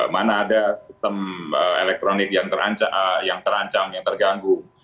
mana ada sistem elektronik yang terancam yang terganggu